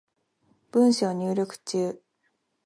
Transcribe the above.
文章入力中